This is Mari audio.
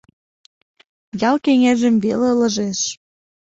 Ял кеҥежым веле ылыжеш.